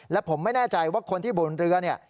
และผมไม่แน่ใจว่าคนที่บนเรือเนี่ย